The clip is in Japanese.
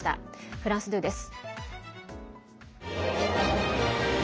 フランス２です。